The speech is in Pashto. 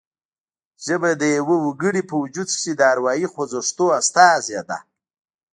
ژبه د یوه وګړي په وجود کې د اروايي خوځښتونو استازې ده